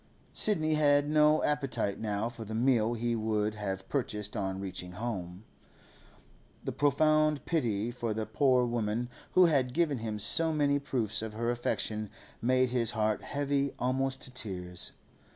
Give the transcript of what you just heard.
Sidney had no appetite now for the meal he would have purchased on reaching home. A profound pity for the poor woman who had given him so many proofs of her affection made his heart heavy almost to tears.